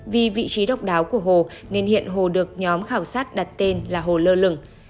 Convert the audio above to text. vì vị trí độc đáo của hồ nên hiện hồ được nhóm khảo sát đặt tên là hồ lơ lửng